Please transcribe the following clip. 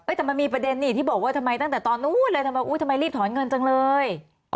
แต่มันมีประเด็นนี่ที่บอกว่าทำไมตั้งแต่ตอนนู้นเลยทำไมอุ๊ยทำไมรีบถอนเงินจังเลย